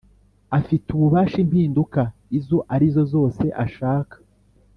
afite ububasha impinduka izo arizo zose ashaka